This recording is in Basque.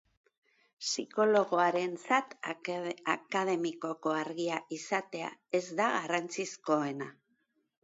Psikologoarentzat akademikoko argia izatea ez da garrantzizkoena.